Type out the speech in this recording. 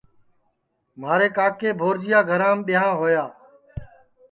کہ مہارے کاکے بھورجیا گھرام بیاں ہویا